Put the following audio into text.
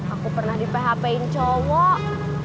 aku pernah di php in cowok